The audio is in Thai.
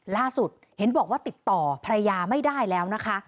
ล่าสุดเห็นบอกว่าติดต่อภรรยาไม่ได้แล้วนะคะ